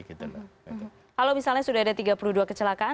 kalau misalnya sudah ada tiga puluh dua kecelakaan